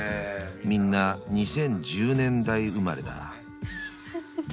［みんな２０１０年代生まれだ］